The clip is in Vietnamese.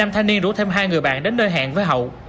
năm thanh niên rủ thêm hai người bạn đến nơi hẹn với hậu